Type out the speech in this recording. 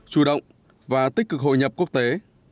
chủ động và tích cực hội nhập quốc tế